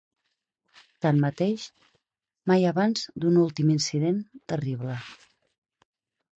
Tanmateix, mai abans d’un últim incident terrible.